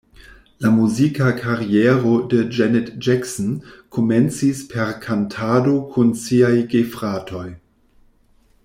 La muzika kariero de Janet Jackson komencis per kantado kun siaj gefratoj.